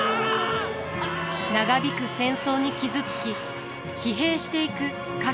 長引く戦争に傷つき疲弊していく家臣たち。